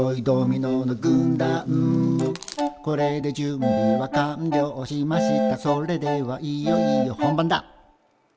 「これで準備は完了しましたそれではいよいよ本番だ」